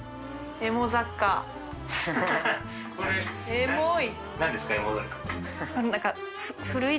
エモい。